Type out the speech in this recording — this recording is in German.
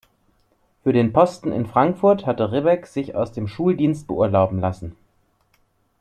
Für den Posten in Frankfurt hatte Ribbeck sich aus dem Schuldienst beurlauben lassen.